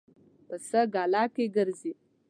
پسه ګله کې ګرځي.